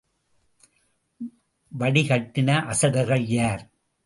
வடிகட்டின அசடர்கள் யார்?